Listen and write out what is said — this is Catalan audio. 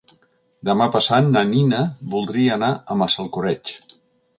Demà passat na Nina voldria anar a Massalcoreig.